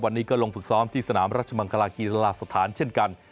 วันนี้ลงฝึกซ้อมที่สนามรัชมากราคีตลาสะทานเช่นกัน